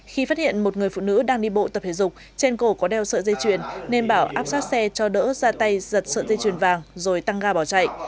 khi phát hiện một người phụ nữ đang đi bộ tập thể dục trên cổ có đeo sợi dây chuyền nên bảo áp sát xe cho đỡ ra tay giật sợi dây chuyền vàng rồi tăng ga bỏ chạy